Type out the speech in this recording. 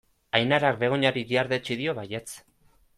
Ainarak Begoñari ihardetsi dio baietz.